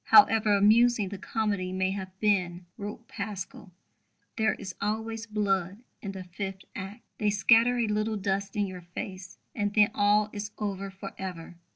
"However amusing the comedy may have been," wrote Pascal, "there is always blood in the fifth act. They scatter a little dust in your face; and then all is over for ever."